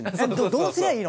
「どうすりゃいいの？